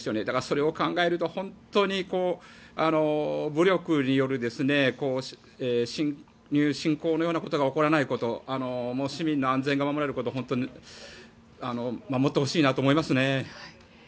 だから、それを考えると本当に武力による侵攻のようなことが起こらないことを市民の安全を守ってほしいなと思います。